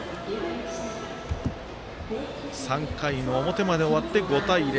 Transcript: ３回の表まで終わって５対０。